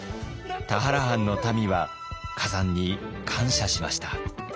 田原藩の民は崋山に感謝しました。